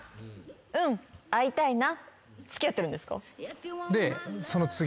「うん会いたいな」で。